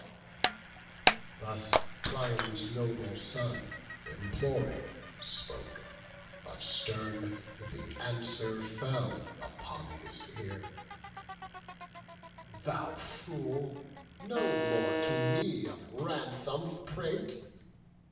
Thus Priam's noble son, imploring, spoke; But stern the answer fell upon his ear: "Thou fool! no more to me of ransom prate!